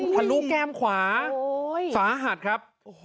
ทะลุแก้มขวาสาหัสครับ